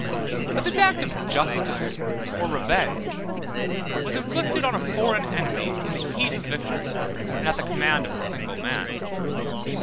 171 But this act of justice, or revenge, was inflicted on a foreign enemy in the heat of victory, and at the command of a single man.